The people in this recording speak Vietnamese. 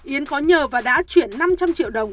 yến có nhờ và đã chuyển năm trăm linh triệu đồng